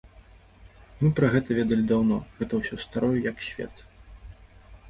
Мы пра гэта ведалі даўно, усё гэта старое, як свет.